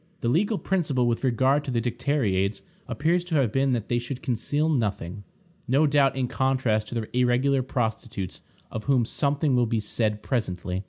The legal principle with regard to the dicteriades appears to have been that they should conceal nothing; no doubt in contrast to the irregular prostitutes, of whom something will be said presently.